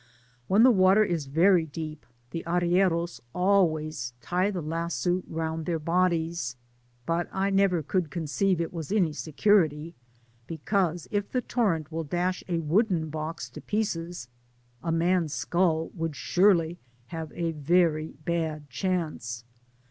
When the water is very deep, the arrieros always tie the lasso round theii* bodies ; but I never could conceive it was any secu rity, because if the torrent will dash a wooden box to pieces, a man^^ skulj would surely have a very bad diance.